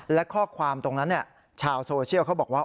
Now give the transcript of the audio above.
และข้อความตรงนั้นชาวโซเชียลเขาบอกว่า